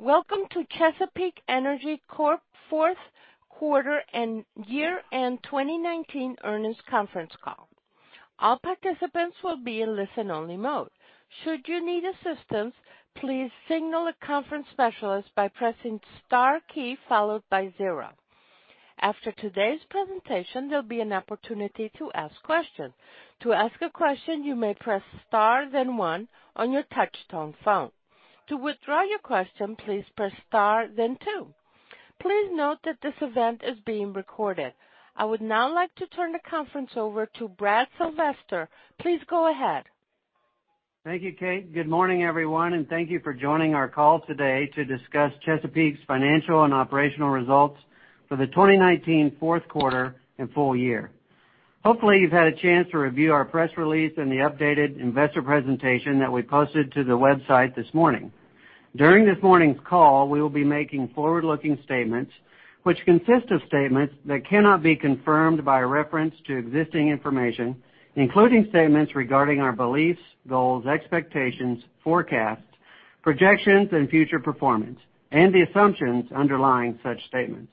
Welcome to Chesapeake Energy Corp's Fourth Quarter and Year-End 2019 Earnings Conference Call. All participants will be in listen only mode. Should you need assistance, please signal a conference specialist by pressing star key followed by zero. After today's presentation, there'll be an opportunity to ask questions. To ask a question, you may press star, then one on your touch-tone phone. To withdraw your question, please press star, then two. Please note that this event is being recorded. I would now like to turn the conference over to Brad Sylvester. Please go ahead. Thank you, Kate. Good morning, everyone, and thank you for joining our call today to discuss Chesapeake Energy's financial and operational results for the 2019 fourth quarter and full year. Hopefully, you've had a chance to review our press release and the updated investor presentation that we posted to the website this morning. During this morning's call, we will be making forward-looking statements, which consist of statements that cannot be confirmed by reference to existing information, including statements regarding our beliefs, goals, expectations, forecasts, projections, and future performance, and the assumptions underlying such statements.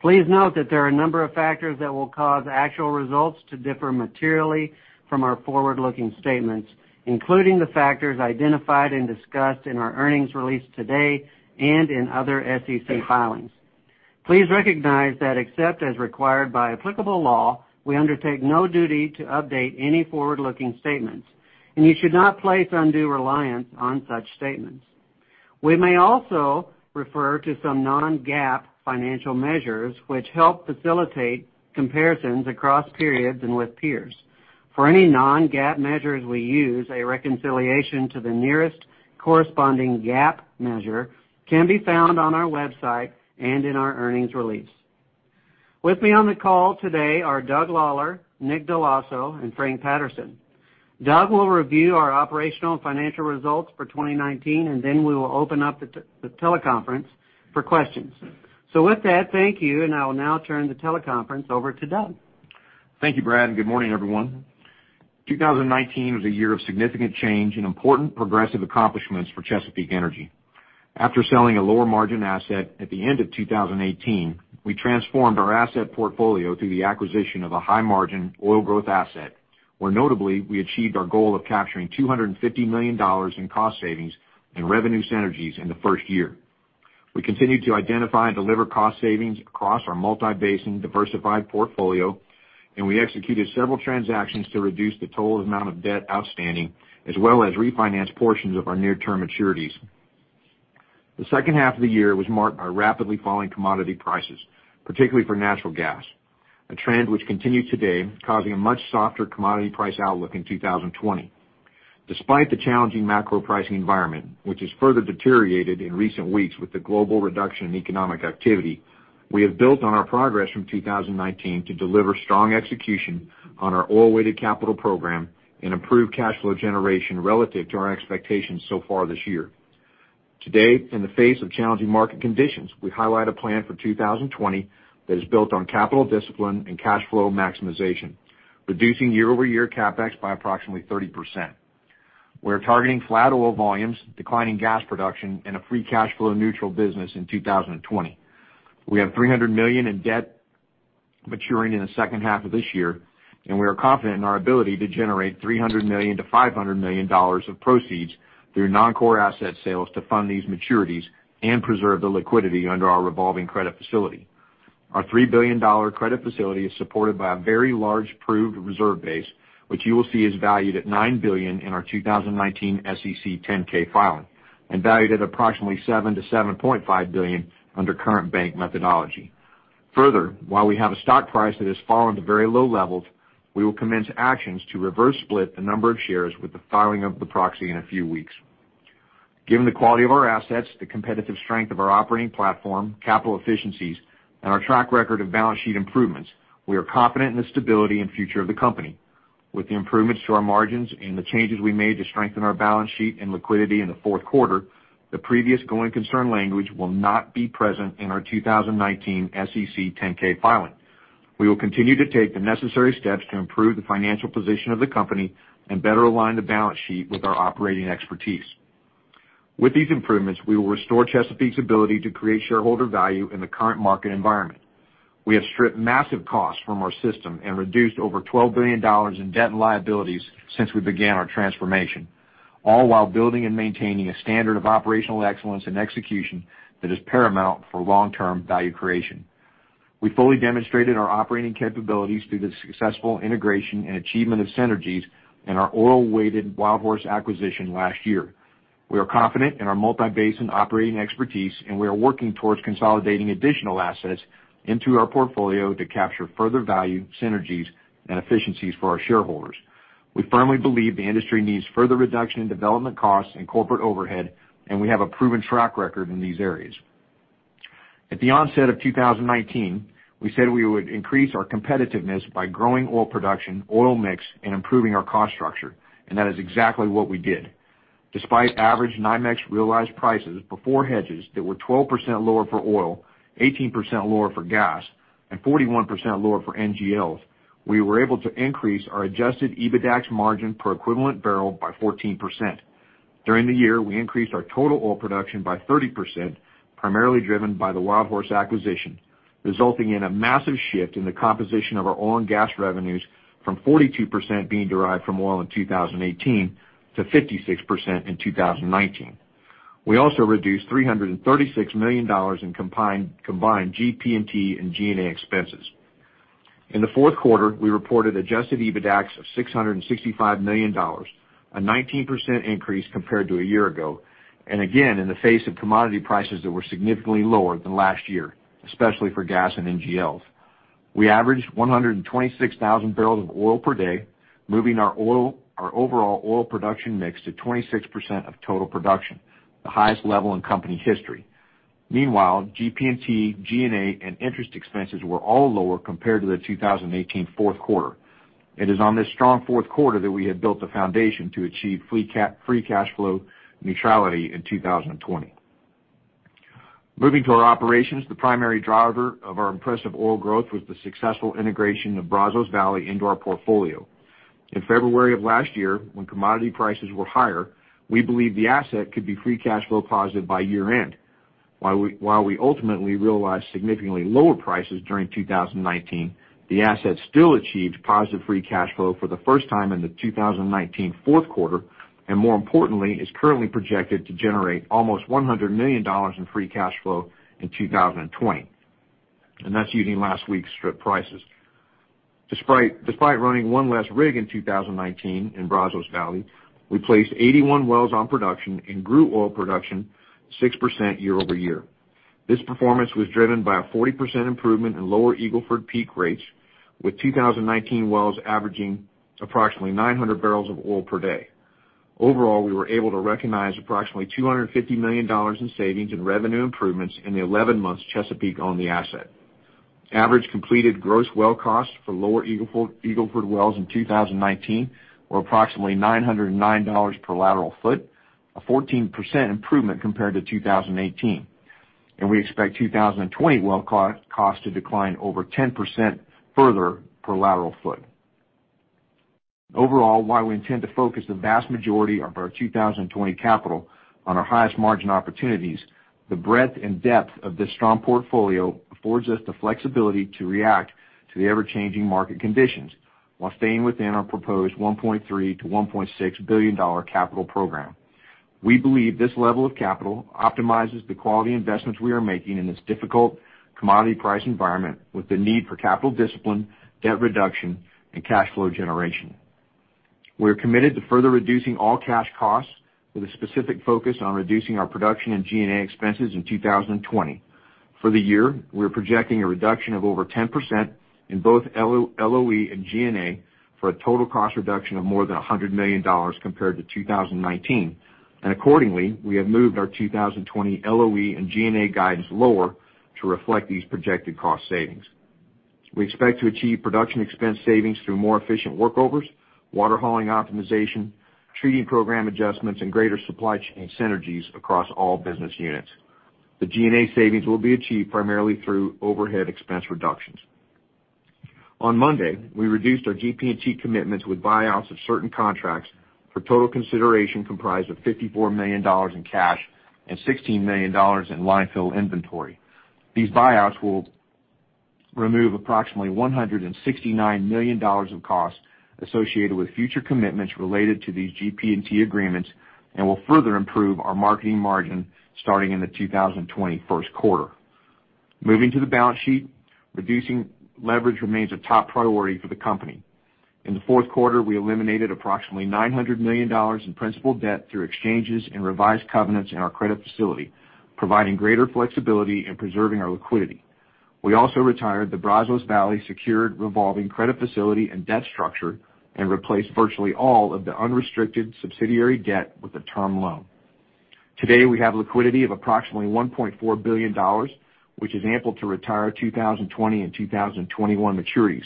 Please note that there are a number of factors that will cause actual results to differ materially from our forward-looking statements, including the factors identified and discussed in our earnings release today and in other SEC filings. Please recognize that, except as required by applicable law, we undertake no duty to update any forward-looking statements, and you should not place undue reliance on such statements. We may also refer to some non-GAAP financial measures which help facilitate comparisons across periods and with peers. For any non-GAAP measures we use, a reconciliation to the nearest corresponding GAAP measure can be found on our website and in our earnings release. With me on the call today are Doug Lawler, Nick Dell'Osso, and Frank Patterson. Doug will review our operational and financial results for 2019, and then we will open up the teleconference for questions. With that, thank you, and I will now turn the teleconference over to Doug. Thank you, Brad, and good morning, everyone. 2019 was a year of significant change and important progressive accomplishments for Chesapeake Energy. After selling a lower margin asset at the end of 2018, we transformed our asset portfolio through the acquisition of a high margin oil growth asset, where notably, we achieved our goal of capturing $250 million in cost savings and revenue synergies in the first year. We continued to identify and deliver cost savings across our multi-basin diversified portfolio, and we executed several transactions to reduce the total amount of debt outstanding, as well as refinance portions of our near-term maturities. The second half of the year was marked by rapidly falling commodity prices, particularly for natural gas, a trend which continues today, causing a much softer commodity price outlook in 2020. Despite the challenging macro pricing environment, which has further deteriorated in recent weeks with the global reduction in economic activity, we have built on our progress from 2019 to deliver strong execution on our oil-weighted capital program and improve cash flow generation relative to our expectations so far this year. Today, in the face of challenging market conditions, we highlight a plan for 2020 that is built on capital discipline and cash flow maximization, reducing year-over-year CapEx by approximately 30%. We're targeting flat oil volumes, declining gas production, and a free cash flow neutral business in 2020. We have $300 million in debt maturing in the second half of this year, and we are confident in our ability to generate $300 million-$500 million of proceeds through non-core asset sales to fund these maturities and preserve the liquidity under our revolving credit facility. Our $3 billion credit facility is supported by a very large proved reserve base, which you will see is valued at $9 billion in our 2019 SEC 10-K filing and valued at approximately $7 billion-$7.5 billion under current bank methodology. Further, while we have a stock price that has fallen to very low levels, we will commence actions to reverse split the number of shares with the filing of the proxy in a few weeks. Given the quality of our assets, the competitive strength of our operating platform, capital efficiencies, and our track record of balance sheet improvements, we are confident in the stability and future of the company. With the improvements to our margins and the changes we made to strengthen our balance sheet and liquidity in the fourth quarter, the previous going concern language will not be present in our 2019 SEC 10-K filing. We will continue to take the necessary steps to improve the financial position of the company and better align the balance sheet with our operating expertise. With these improvements, we will restore Chesapeake's ability to create shareholder value in the current market environment. We have stripped massive costs from our system and reduced over $12 billion in debt and liabilities since we began our transformation, all while building and maintaining a standard of operational excellence and execution that is paramount for long-term value creation. We fully demonstrated our operating capabilities through the successful integration and achievement of synergies in our oil-weighted WildHorse acquisition last year. We are confident in our multi-basin operating expertise, and we are working towards consolidating additional assets into our portfolio to capture further value, synergies, and efficiencies for our shareholders. We firmly believe the industry needs further reduction in development costs and corporate overhead, and we have a proven track record in these areas. At the onset of 2019, we said we would increase our competitiveness by growing oil production, oil mix, and improving our cost structure, and that is exactly what we did. Despite average NYMEX realized prices before hedges that were 12% lower for oil, 18% lower for gas, and 41% lower for NGLs. We were able to increase our adjusted EBITDAX margin per equivalent by 14%. During the year, we increased our total oil production by 30%, primarily driven by the WildHorse acquisition, resulting in a massive shift in the composition of our oil and gas revenues from 42% being derived from oil in 2018 to 56% in 2019. We also reduced $336 million in combined GP&T and G&A expenses. In the fourth quarter, we reported adjusted EBITDAX of $665 million, a 19% increase compared to a year ago, again, in the face of commodity prices that were significantly lower than last year, especially for gas and NGLs. We averaged 126,000 bbl of oil per day, moving our overall oil production mix to 26% of total production, the highest level in company history. Meanwhile, GP&T, G&A, and interest expenses were all lower compared to the 2018 fourth quarter. It is on this strong fourth quarter that we have built the foundation to achieve free cash flow neutrality in 2020. Moving to our operations. The primary driver of our impressive oil growth was the successful integration of Brazos Valley into our portfolio. In February of last year, when commodity prices were higher, we believed the asset could be free cash flow positive by year-end. While we ultimately realized significantly lower prices during 2019, the asset still achieved positive free cash flow for the first time in the 2019 fourth quarter, and more importantly, is currently projected to generate almost $100 million in free cash flow in 2020. That's using last week's strip prices. Despite running one less rig in 2019 in Brazos Valley, we placed 81 wells on production and grew oil production 6% year-over-year. This performance was driven by a 40% improvement in lower Eagle Ford peak rates, with 2019 wells averaging approximately 900 bbl of oil per day. Overall, we were able to recognize approximately $250 million in savings and revenue improvements in the 11 months Chesapeake owned the asset. Average completed gross well costs for lower Eagle Ford wells in 2019 were approximately $909 per lateral foot, a 14% improvement compared to 2018. We expect 2020 well cost to decline over 10% further per lateral foot. Overall, while we intend to focus the vast majority of our 2020 capital on our highest margin opportunities, the breadth and depth of this strong portfolio affords us the flexibility to react to the ever-changing market conditions while staying within our proposed $1.3 billion-$1.6 billion capital program. We believe this level of capital optimizes the quality investments we are making in this difficult commodity price environment with the need for capital discipline, debt reduction, and cash flow generation. We are committed to further reducing all cash costs with a specific focus on reducing our production in G&A expenses in 2020. For the year, we are projecting a reduction of over 10% in both LOE and G&A for a total cost reduction of more than $100 million compared to 2019. Accordingly, we have moved our 2020 LOE and G&A guidance lower to reflect these projected cost savings. We expect to achieve production expense savings through more efficient workovers, water hauling optimization, treating program adjustments, and greater supply chain synergies across all business units. The G&A savings will be achieved primarily through overhead expense reductions. On Monday, we reduced our GP&T commitments with buyouts of certain contracts for total consideration comprised of $54 million in cash and $16 million in line fill inventory. These buyouts will remove approximately $169 million in costs associated with future commitments related to these GP&T agreements and will further improve our marketing margin starting in the 2020 first quarter. Moving to the balance sheet, reducing leverage remains a top priority for the company. In the fourth quarter, we eliminated approximately $900 million in principal debt through exchanges and revised covenants in our credit facility, providing greater flexibility in preserving our liquidity. We also retired the Brazos Valley secured revolving credit facility and debt structure and replaced virtually all of the unrestricted subsidiary debt with a term loan. Today, we have liquidity of approximately $1.4 billion, which is ample to retire 2020 and 2021 maturities.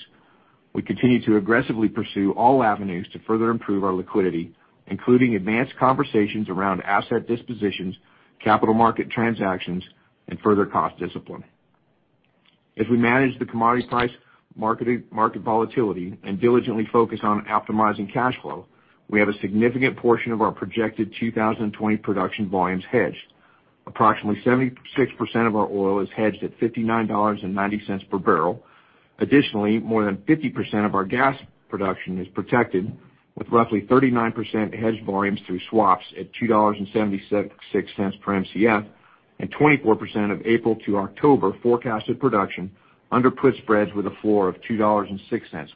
We continue to aggressively pursue all avenues to further improve our liquidity, including advanced conversations around asset dispositions, capital market transactions, and further cost discipline. As we manage the commodity price market volatility and diligently focus on optimizing cash flow, we have a significant portion of our projected 2020 production volumes hedged. Approximately 76% of our oil is hedged at $59.90 per bbl. Additionally, more than 50% of our gas production is protected with roughly 39% hedged volumes through swaps at $2.76 per Mcf and 24% of April to October forecasted production under put spreads with a floor of $2.06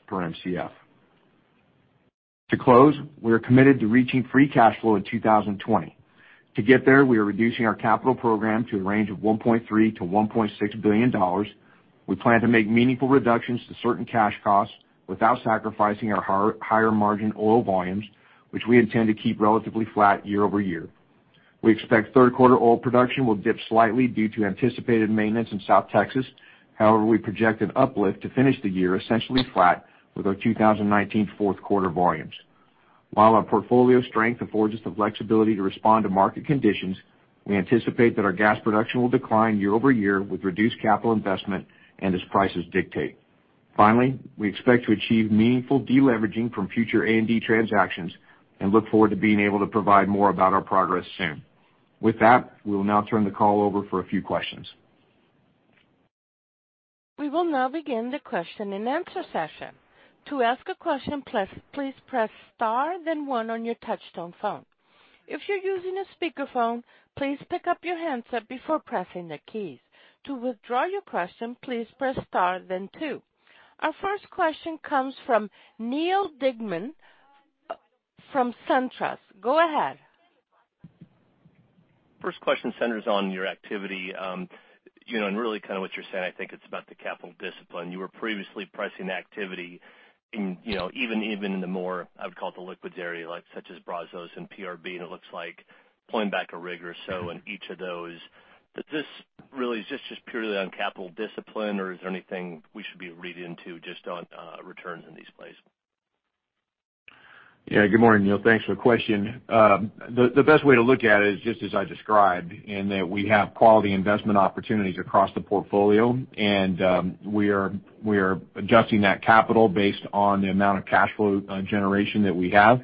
per Mcf. To close, we are committed to reaching free cash flow in 2020. To get there, we are reducing our capital program to a range of $1.3 billion-$1.6 billion. We plan to make meaningful reductions to certain cash costs without sacrificing our higher margin oil volumes, which we intend to keep relatively flat year-over-year. We expect third quarter oil production will dip slightly due to anticipated maintenance in South Texas. We project an uplift to finish the year essentially flat with our 2019 fourth quarter volumes. Our portfolio strength affords us the flexibility to respond to market conditions, we anticipate that our gas production will decline year-over-year with reduced capital investment and as prices dictate. We expect to achieve meaningful de-leveraging from future A&D transactions and look forward to being able to provide more about our progress soon. We'll now turn the call over for a few questions. We will now begin the question and answer session. To ask a question, please press star then one on your touchtone phone. If you're using a speakerphone, please pick up your handset before pressing the keys. To withdraw your question, please press star then two. Our first question comes from Neal Dingmann from SunTrust. Go ahead. First question centers on your activity. Really what you're saying, I think it's about the capital discipline. You were previously pricing activity even in the more, I would call it, the liquids area, such as Brazos and PRB, and it looks like pulling back a rig or so in each of those. Is this just purely on capital discipline, or is there anything we should be reading into just on returns in these plays? Yeah. Good morning, Neal. Thanks for the question. The best way to look at it is just as I described, in that we have quality investment opportunities across the portfolio, we are adjusting that capital based on the amount of cash flow generation that we have,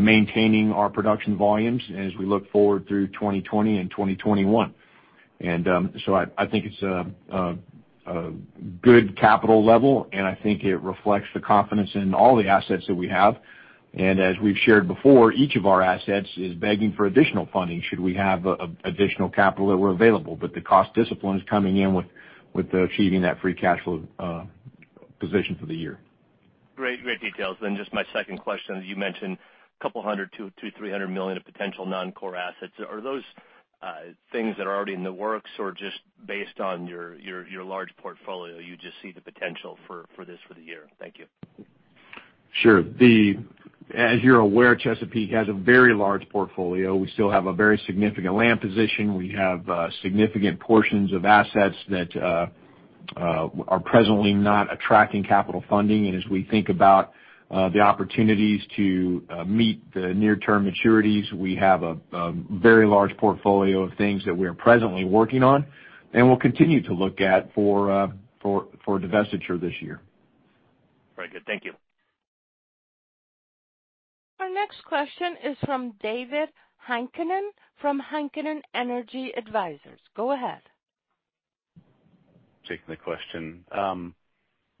maintaining our production volumes as we look forward through 2020 and 2021. I think it's a good capital level, I think it reflects the confidence in all the assets that we have. As we've shared before, each of our assets is begging for additional funding should we have additional capital that were available. The cost discipline is coming in with achieving that free cash flow position for the year. Great details. Just my second question, you mentioned a couple hundred to $300 million of potential non-core assets. Are those things that are already in the works or just based on your large portfolio, you just see the potential for this for the year? Thank you. Sure. As you're aware, Chesapeake has a very large portfolio. We still have a very significant land position. We have significant portions of assets that are presently not attracting capital funding. As we think about the opportunities to meet the near-term maturities, we have a very large portfolio of things that we are presently working on and will continue to look at for divestiture this year. Very good. Thank you. Our next question is from David Heikkinen from Heikkinen Energy Advisors. Go ahead. Taking the question.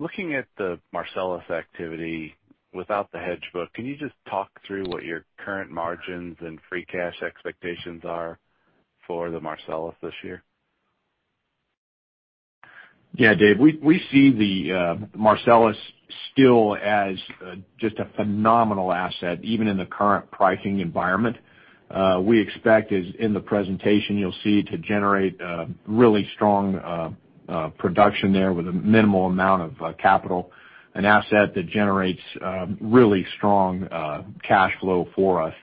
Looking at the Marcellus activity without the hedge book, can you just talk through what your current margins and free cash expectations are for the Marcellus this year? Yeah. Dave, we see the Marcellus still as just a phenomenal asset, even in the current pricing environment. We expect, as in the presentation you'll see, to generate really strong production there with a minimal amount of capital, an asset that generates really strong cash flow for us.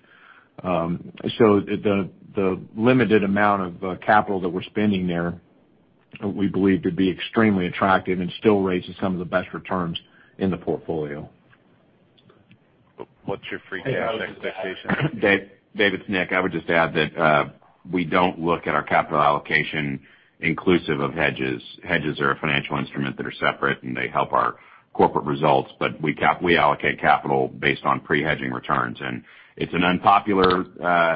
The limited amount of capital that we're spending there, we believe would be extremely attractive and still raises some of the best returns in the portfolio. What's your free cash flow expectation? Dave, it's Nick. I would just add that we don't look at our capital allocation inclusive of hedges. Hedges are a financial instrument that are separate, and they help our corporate results, but we allocate capital based on pre-hedging returns. It's an unpopular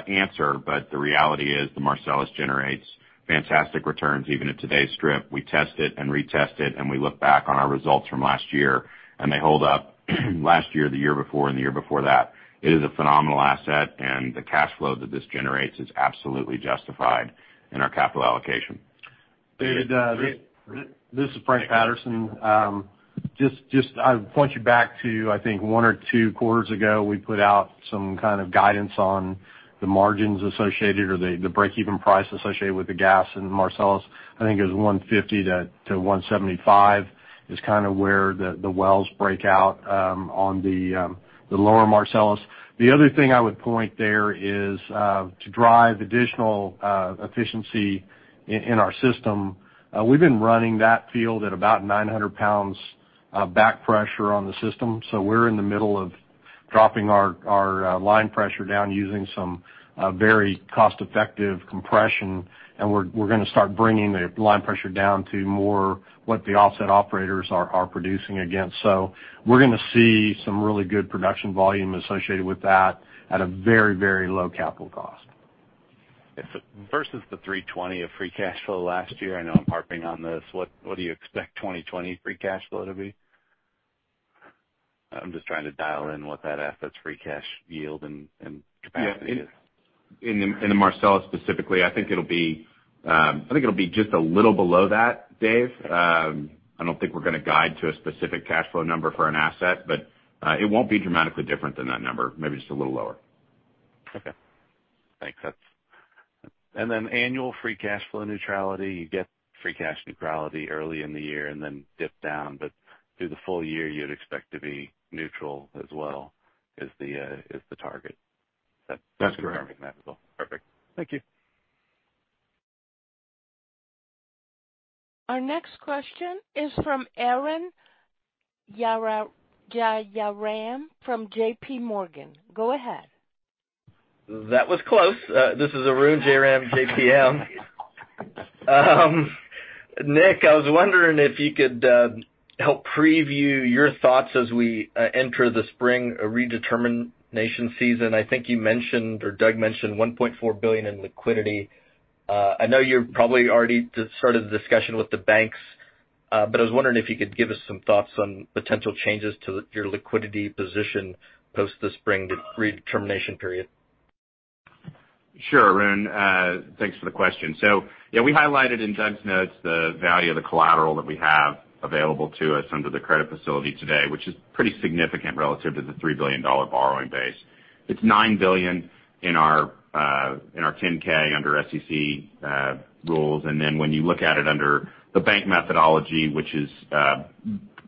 answer, but the reality is the Marcellus generates fantastic returns, even at today's strip. We test it and retest it, and we look back on our results from last year, and they hold up last year, the year before, and the year before that. It is a phenomenal asset, and the cash flow that this generates is absolutely justified in our capital allocation. David, this is Frank Patterson. Just I point you back to, I think, one or two quarters ago, we put out some kind of guidance on the margins associated or the breakeven price associated with the gas in Marcellus. I think it was $150-$175 is kind of where the wells break out on the lower Marcellus. The other thing I would point there is to drive additional efficiency in our system. We've been running that field at about 900 lbs back pressure on the system. We're in the middle of dropping our line pressure down using some very cost-effective compression, and we're going to start bringing the line pressure down to more what the offset operators are producing again. We're going to see some really good production volume associated with that at a very low capital cost. Versus the $320 of free cash flow last year, I know I'm harping on this, what do you expect 2020 free cash flow to be? I'm just trying to dial in what that asset's free cash yield and capacity is. In the Marcellus specifically, I think it'll be just a little below that, Dave. I don't think we're going to guide to a specific cash flow number for an asset, but it won't be dramatically different than that number. Maybe just a little lower. Okay. Thanks. Annual free cash flow neutrality, you get free cash neutrality early in the year and then dip down, but through the full year, you'd expect to be neutral as well, is the target. That's correct. Just confirming that as well. Perfect. Thank you. Our next question is from Arun Jayaram from JPMorgan. Go ahead. That was close. This is Arun Jayaram, JPM. Nick, I was wondering if you could help preview your thoughts as we enter the spring redetermination season. I think you mentioned, or Doug mentioned, $1.4 billion in liquidity. I know you've probably already started the discussion with the banks, but I was wondering if you could give us some thoughts on potential changes to your liquidity position post this spring redetermination period. Sure, Arun. Thanks for the question. Yeah, we highlighted in Doug's notes the value of the collateral that we have available to us under the credit facility today, which is pretty significant relative to the $3 billion borrowing base. It's $9 billion in our 10-K under SEC rules. When you look at it under the bank methodology, which is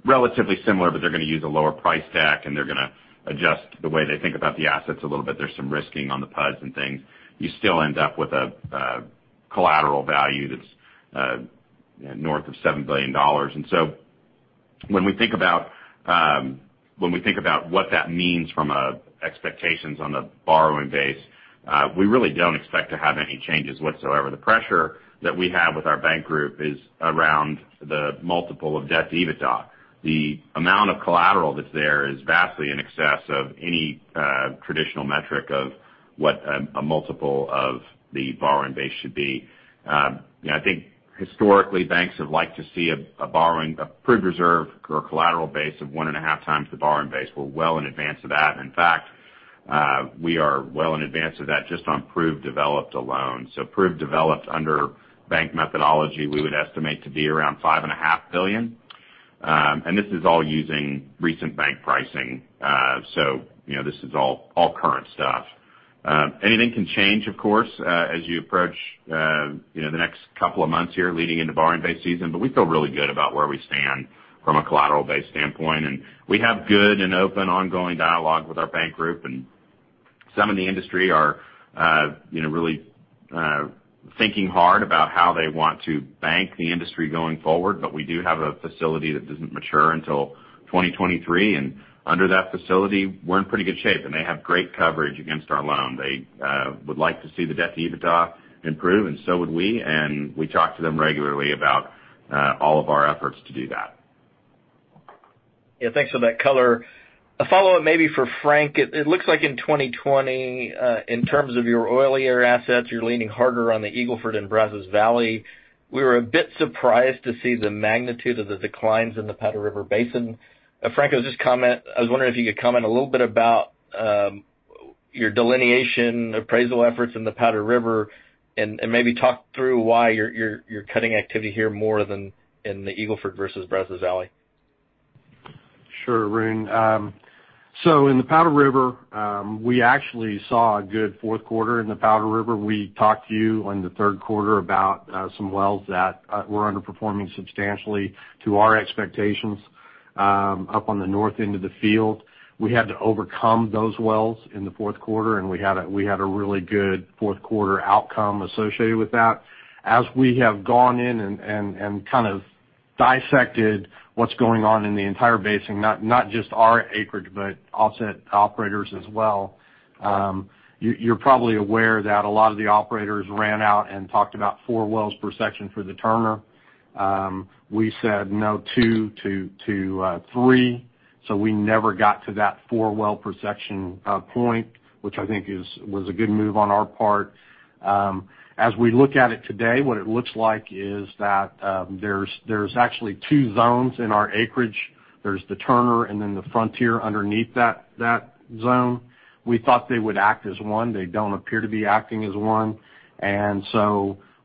relatively similar, but they're going to use a lower price stack, and they're going to adjust the way they think about the assets a little bit. There's some risking on the PUDs and things. You still end up with a collateral value that's north of $7 billion. When we think about what that means from expectations on the borrowing base, we really don't expect to have any changes whatsoever. The pressure that we have with our bank group is around the multiple of debt to EBITDA. The amount of collateral that's there is vastly in excess of any traditional metric of what a multiple of the borrowing base should be. I think historically, banks have liked to see a proved reserve or collateral base of one and a half times the borrowing base. We're well in advance of that. We are well in advance of that just on proved developed alone. Proved developed under bank methodology, we would estimate to be around $5.5 billion. This is all using recent bank pricing. This is all current stuff. Anything can change, of course, as you approach the next couple of months here leading into borrowing base season. We feel really good about where we stand from a collateral base standpoint, and we have good and open ongoing dialogue with our bank group. Some in the industry are really thinking hard about how they want to bank the industry going forward. We do have a facility that doesn't mature until 2023. Under that facility, we're in pretty good shape, and they have great coverage against our loan. They would like to see the debt to EBITDA improve, and so would we. We talk to them regularly about all of our efforts to do that. Yeah, thanks for that color. A follow-up maybe for Frank. It looks like in 2020, in terms of your oilier assets, you're leaning harder on the Eagle Ford and Brazos Valley. We were a bit surprised to see the magnitude of the declines in the Powder River Basin. Frank, I was wondering if you could comment a little bit about your delineation appraisal efforts in the Powder River, and maybe talk through why you're cutting activity here more than in the Eagle Ford versus Brazos Valley. Sure, Arun. In the Powder River, we actually saw a good fourth quarter in the Powder River. We talked to you on the third quarter about some wells that were underperforming substantially to our expectations up on the north end of the field. We had to overcome those wells in the fourth quarter, and we had a really good fourth quarter outcome associated with that. As we have gone in and kind of dissected what's going on in the entire basin, not just our acreage, but offset operators as well. You're probably aware that a lot of the operators ran out and talked about four wells per section for the Turner. We said no, two to three. We never got to that four well per section point, which I think was a good move on our part. As we look at it today, what it looks like is that there's actually two zones in our acreage. There's the Turner and then the Frontier underneath that zone. We thought they would act as one. They don't appear to be acting as one.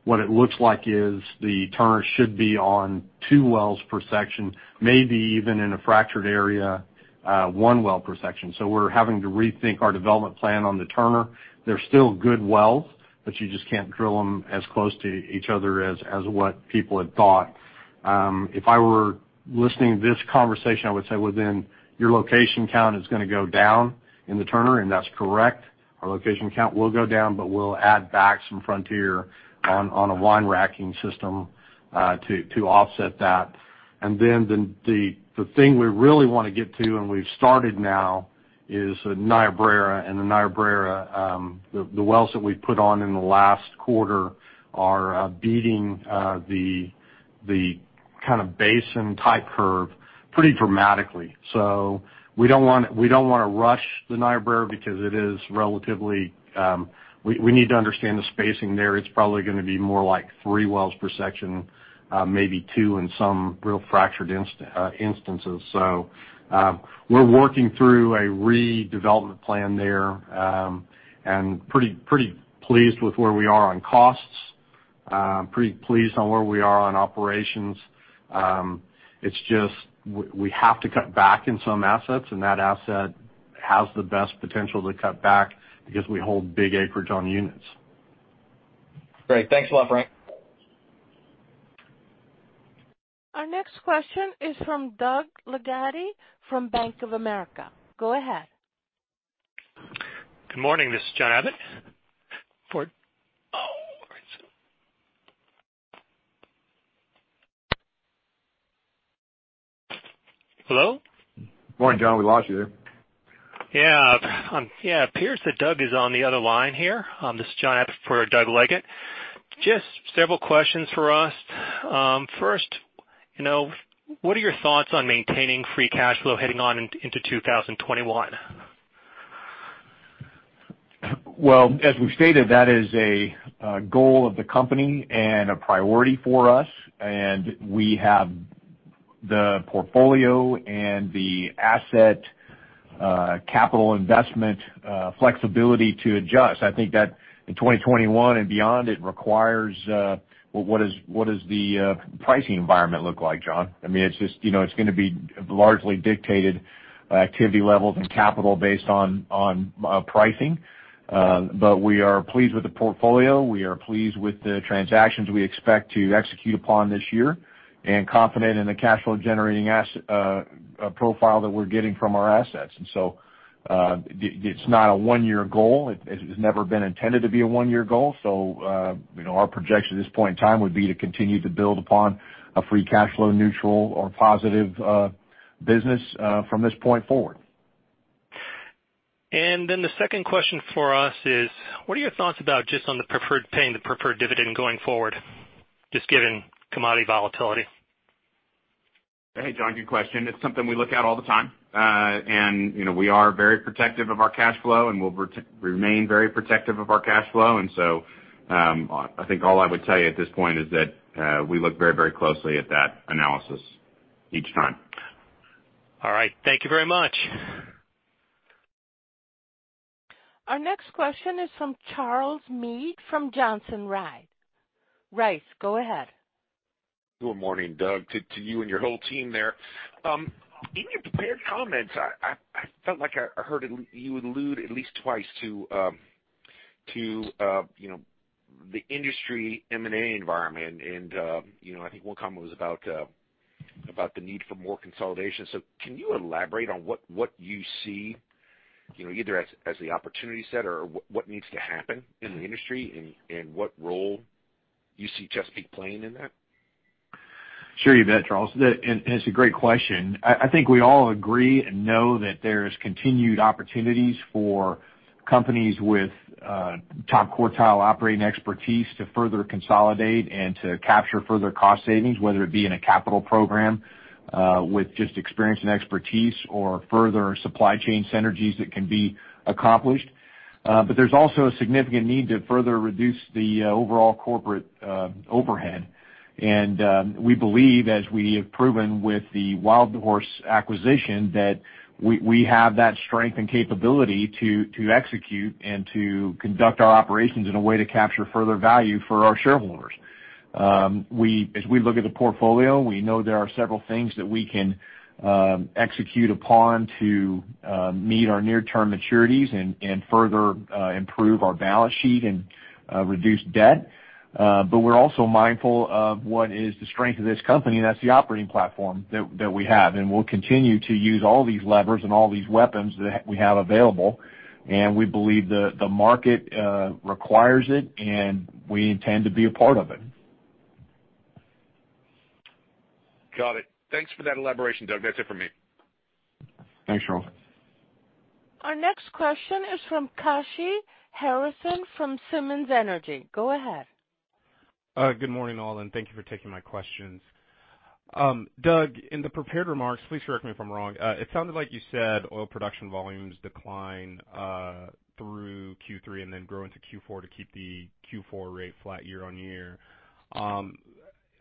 What it looks like is the Turner should be on two wells per section, maybe even in a fractured area, one well per section. We're having to rethink our development plan on the Turner. They're still good wells, but you just can't drill them as close to each other as what people had thought. If I were listening to this conversation, I would say, well then, your location count is going to go down in the Turner, and that's correct. Our location count will go down, but we'll add back some Frontier on a line racking system to offset that. The thing we really want to get to, and we've started now, is Niobrara. The Niobrara, the wells that we put on in the last quarter are beating the kind of basin type curve pretty dramatically. We don't want to rush the Niobrara because we need to understand the spacing there. It's probably going to be more like three wells per section, maybe two in some real fractured instances. We're working through a redevelopment plan there, and pretty pleased with where we are on costs. Pretty pleased on where we are on operations. It's just we have to cut back in some assets, and that asset has the best potential to cut back because we hold big acreage on units. Great. Thanks a lot, Frank. Our next question is from Doug Leggate from Bank of America. Go ahead. Good morning. This is John Abbott for,-- Oh. Hello? Morning, John. We lost you there. Yeah. It appears that Doug is on the other line here. This is John Abbott for Doug Leggate. Just several questions for us. First, what are your thoughts on maintaining free cash flow heading on into 2021? As we've stated, that is a goal of the company and a priority for us, and we have the portfolio and the asset capital investment flexibility to adjust. I think that in 2021 and beyond, it requires what does the pricing environment look like, John? It's going to be largely dictated by activity levels and capital based on pricing. We are pleased with the portfolio. We are pleased with the transactions we expect to execute upon this year, and confident in the cash flow generating profile that we're getting from our assets. It's not a one-year goal. It has never been intended to be a one-year goal. Our projection at this point in time would be to continue to build upon a free cash flow, neutral or positive business from this point forward. The second question for us is: what are your thoughts about just on the preferred paying, the preferred dividend going forward, just given commodity volatility? Hey, John, good question. It's something we look at all the time. We are very protective of our cash flow, and will remain very protective of our cash flow. I think all I would tell you at this point is that we look very closely at that analysis each time. All right. Thank you very much. Our next question is from Charles Meade from Johnson Rice. Rice, go ahead. Good morning, Doug, to you and your whole team there. In your prepared comments, I felt like I heard you allude at least twice to the industry M&A environment, and I think one comment was about the need for more consolidation. Can you elaborate on what you see, either as the opportunity set or what needs to happen in the industry, and what role you see Chesapeake playing in that? Sure you bet, Charles. It's a great question. I think we all agree and know that there's continued opportunities for companies with top quartile operating expertise to further consolidate and to capture further cost savings, whether it be in a capital program, with just experience and expertise or further supply chain synergies that can be accomplished. There's also a significant need to further reduce the overall corporate overhead. We believe, as we have proven with the WildHorse acquisition, that we have that strength and capability to execute and to conduct our operations in a way to capture further value for our shareholders. As we look at the portfolio, we know there are several things that we can execute upon to meet our near-term maturities and further improve our balance sheet and reduce debt. We're also mindful of what is the strength of this company, and that's the operating platform that we have. We'll continue to use all these levers and all these weapons that we have available, and we believe the market requires it, and we intend to be a part of it. Got it. Thanks for that elaboration, Doug. That's it from me. Thanks, Charles. Our next question is from Kashy Harrison from Simmons Energy. Go ahead. Good morning, all, and thank you for taking my questions. Doug, in the prepared remarks, please correct me if I'm wrong, it sounded like you said oil production volumes decline through Q3 and then grow into Q4 to keep the Q4 rate flat year-over-year?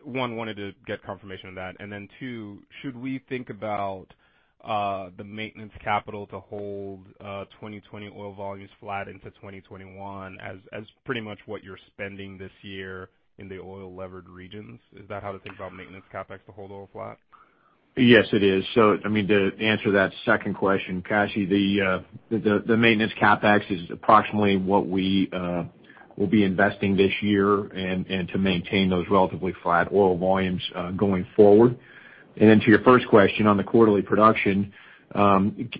One, wanted to get confirmation of that. Then two, should we think about the maintenance capital to hold 2020 oil volumes flat into 2021 as pretty much what you're spending this year in the oil-levered regions? Is that how to think about maintenance CapEx to hold oil flat? Yes, it is. To answer that second question, Kashy, the maintenance CapEx is approximately what we will be investing this year and to maintain those relatively flat oil volumes going forward. To your first question on the quarterly production, we know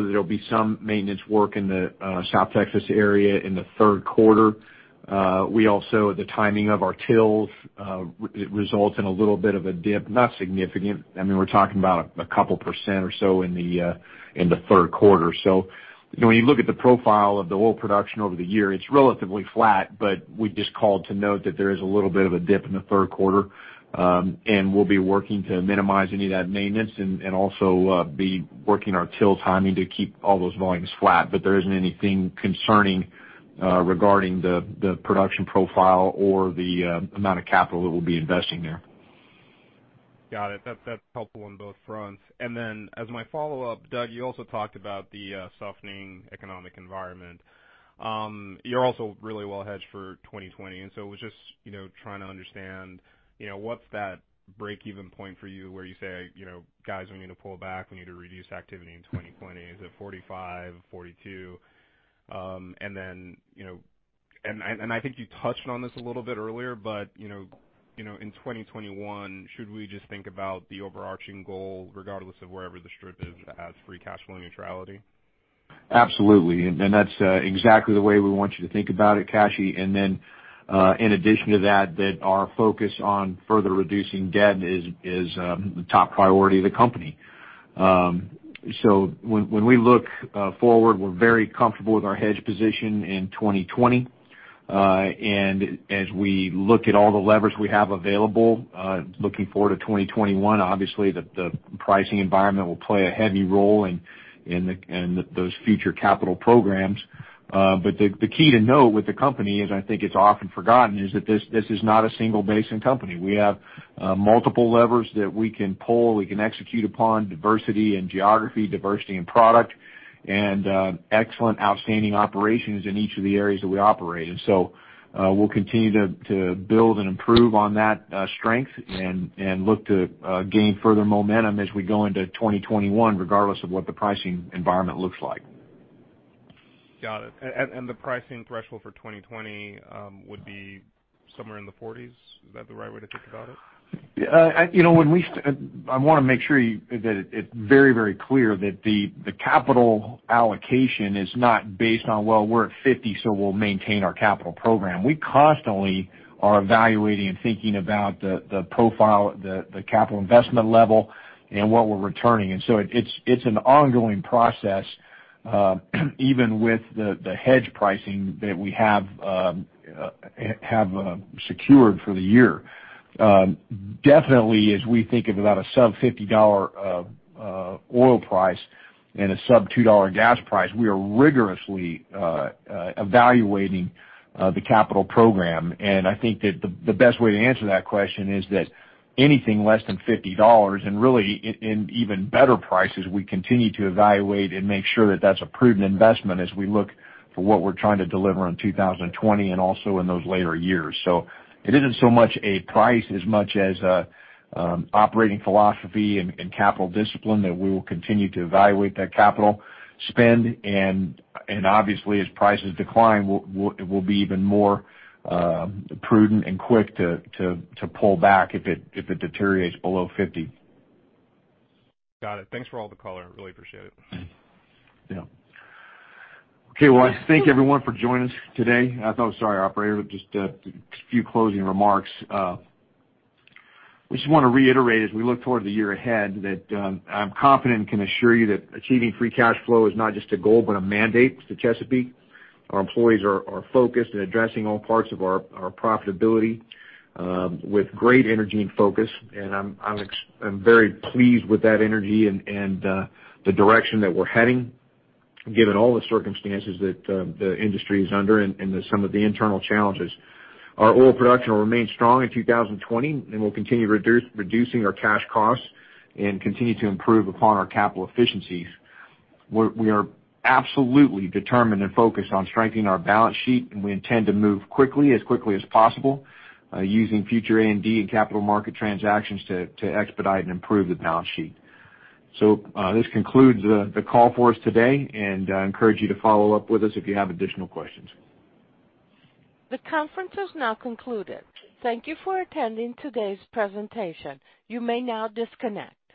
that there will be some maintenance work in the South Texas area in the third quarter. We also, the timing of our drills results in a little bit of a dip, not significant. We're talking about a couple % or so in the third quarter. When you look at the profile of the oil production over the year, it's relatively flat, but we just called to note that there is a little bit of a dip in the third quarter. We'll be working to minimize any of that maintenance and also be working our drill timing to keep all those volumes flat. There isn't anything concerning regarding the production profile or the amount of capital that we'll be investing there. Got it. That's helpful on both fronts. As my follow-up, Doug, you also talked about the softening economic environment. You're also really well hedged for 2020, it was just trying to understand what's that break-even point for you where you say, "Guys, we need to pull back. We need to reduce activity in 2020." Is it $45, $42? I think you touched on this a little bit earlier, in 2021, should we just think about the overarching goal, regardless of wherever the strip is, as free cash flow neutrality? Absolutely. That's exactly the way we want you to think about it, Kashy. In addition to that our focus on further reducing debt is the top priority of the company. When we look forward, we're very comfortable with our hedge position in 2020. As we look at all the levers we have available, looking forward to 2021, obviously, the pricing environment will play a heavy role in those future capital programs. The key to note with the company is, I think it's often forgotten, is that this is not a single basin company. We have multiple levers that we can pull, we can execute upon diversity and geography, diversity and product, and excellent, outstanding operations in each of the areas that we operate. We'll continue to build and improve on that strength and look to gain further momentum as we go into 2021, regardless of what the pricing environment looks like. Got it. The pricing threshold for 2020 would be somewhere in the $40s? Is that the right way to think about it? I want to make sure that it's very, very clear that the capital allocation is not based on, well, we're at 50, so we'll maintain our capital program. We constantly are evaluating and thinking about the profile, the capital investment level, and what we're returning. It's an ongoing process, even with the hedge pricing that we have secured for the year. Definitely, as we think about a sub-$50 oil price and a sub-$2 gas price, we are rigorously evaluating the capital program. I think that the best way to answer that question is that anything less than $50, and really in even better prices, we continue to evaluate and make sure that that's a prudent investment as we look for what we're trying to deliver in 2020 and also in those later years. It isn't so much a price as much as an operating philosophy and capital discipline that we will continue to evaluate that capital spend. Obviously, as prices decline, we'll be even more prudent and quick to pull back if it deteriorates below $50. Got it. Thanks for all the color. Really appreciate it. Yeah. Okay, well, I thank everyone for joining us today. Oh, sorry, operator. Just a few closing remarks. We just want to reiterate as we look toward the year ahead, that I'm confident and can assure you that achieving free cash flow is not just a goal, but a mandate to Chesapeake. Our employees are focused and addressing all parts of our profitability with great energy and focus. I'm very pleased with that energy and the direction that we're heading, given all the circumstances that the industry is under and some of the internal challenges. Our oil production will remain strong in 2020, and we'll continue reducing our cash costs and continue to improve upon our capital efficiencies. We are absolutely determined and focused on strengthening our balance sheet, and we intend to move quickly, as quickly as possible, using future A&D and capital market transactions to expedite and improve the balance sheet. This concludes the call for us today, and I encourage you to follow up with us if you have additional questions. The conference has now concluded. Thank you for attending today's presentation. You may now disconnect.